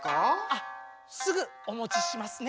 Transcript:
あっすぐおもちしますね。